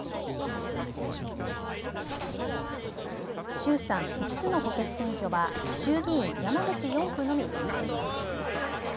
衆参５つの補欠選挙は衆議院山口４区のみ決まっています。